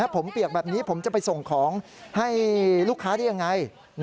ผมเปียกแบบนี้ผมจะไปส่งของให้ลูกค้าได้ยังไง